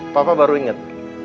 papa baru inget